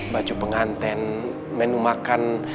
baju penganten menu makan